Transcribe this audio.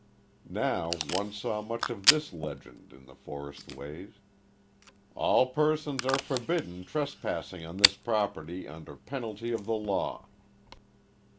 Now one saw much of this legend in the forest ways, "All persons are forbidden trespassing on this property under penalty of the law."